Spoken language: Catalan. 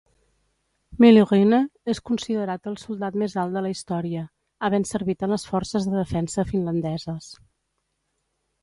Myllyrinne és considerat el soldat més alt de la història, havent servit en les Forces de Defensa Finlandeses.